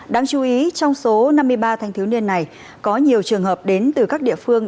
đáng chú ý trong số năm mươi ba thanh thiếu niên này có nhiều trường hợp đến từ các địa phương